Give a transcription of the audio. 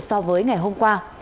so với ngày hôm qua